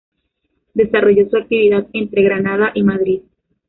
Desarrolló su actividad entre Granada y Madrid.